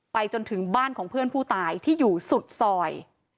จนถึงบ้านของเพื่อนผู้ตายที่อยู่สุดซอย